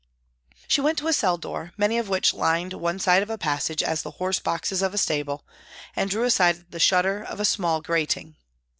She went to a cell door, many of which lined one side of a passage as the horse boxes of a stable, and drew aside the shutter of a small grating.